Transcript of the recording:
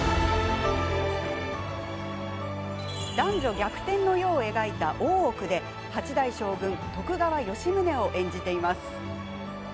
男女逆転の世を描いた「大奥」で八代将軍、徳川吉宗を演じています。